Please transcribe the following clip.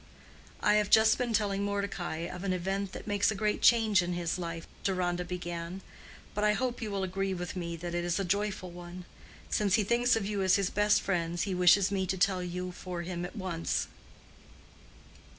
"I have just been telling Mordecai of an event that makes a great change in his life," Deronda began, "but I hope you will agree with me that it is a joyful one. Since he thinks of you as his best friends, he wishes me to tell you for him at once."